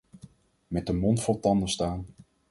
Met de mond vol tanden staan.